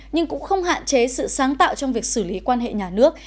nhưng cũng không hạn chế sự sáng tạo trong việc xử lý quan hệ nhà nước